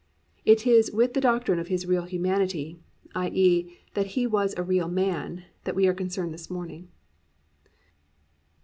It is with the doctrine of His real humanity, i.e., that He was a real man, that we are concerned this morning.